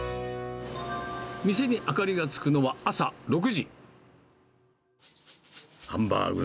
店に明かりがつくのは朝６時。